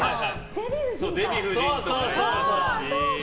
デヴィ夫人とか。